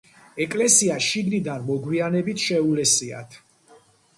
ეკლესია შიგნიდან მოგვიანებით შეულესიათ.